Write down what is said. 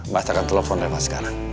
mas akan telepon reva sekarang